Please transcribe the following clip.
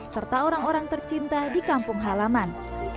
serta orang orang tercinta di kampung halaman